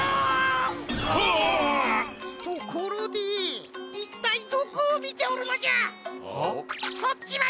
ところでいったいどこをみておるのじゃ！は？